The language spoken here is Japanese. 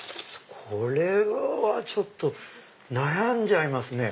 これはちょっと悩んじゃいますね。